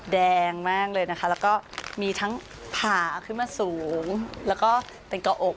แดงมากเลยนะคะแล้วก็มีทั้งผ่าขึ้นมาสูงแล้วก็เป็นเกาะอก